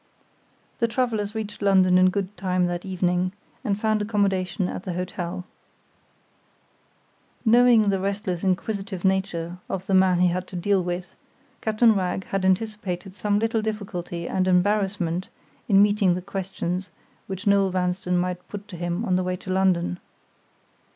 The travelers reached London in good time that evening, and found accommodation at the hotel. Knowing the restless, inquisitive nature of the man he had to deal with, Captain Wragge had anticipated some little difficulty and embarrassment in meeting the questions which Noel Vanstone might put to him on the way to London.